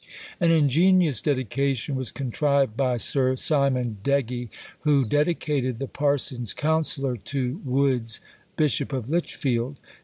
An ingenious dedication was contrived by Sir Simon Degge, who dedicated "the Parson's Counsellor" to Woods, Bishop of Lichfield.